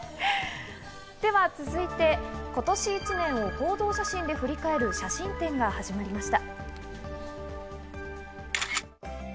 では続いて今年１年を報道写真で振り返る写真展が始まりました。